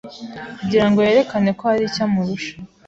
kugira ngo yerekane ko hari icyo amurusha;